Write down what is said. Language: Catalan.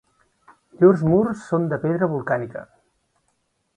Llurs murs són de pedra volcànica.